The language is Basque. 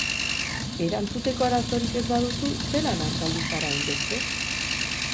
Erantzuteko arazorik ez baduzu, zelan argaldu zara hainbeste?